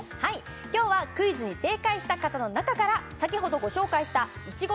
今日はクイズに正解した方の中から先ほどご紹介したいちご